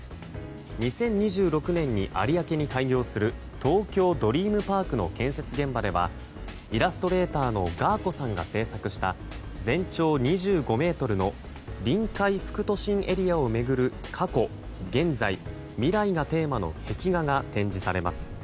２０２６年に有明に開業する東京ドリームパークの建設現場ではイラストレーターのがーこさんが制作した全長２５ｍの「臨海副都心エリアを巡る過去、現在、未来」がテーマの壁画が展示されます。